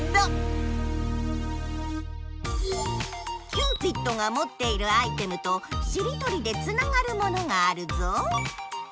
キューピッドがもっているアイテムとしりとりでつながるものがあるぞ。